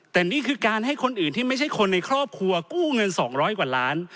แต่นี่คือการให้คนอื่นที่ไม่ใช่คนในครอบครัวกู้เงิน๒๐๐กว่าล้าน